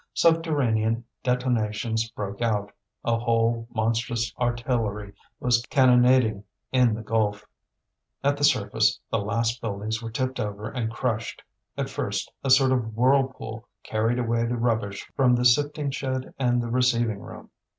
Subterranean detonations broke out; a whole monstrous artillery was cannonading in the gulf. At the surface, the last buildings were tipped over and crushed. At first a sort of whirlpool carried away the rubbish from the sifting shed and the receiving room.